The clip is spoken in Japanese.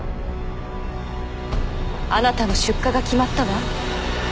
あなたの出荷が決まったわ。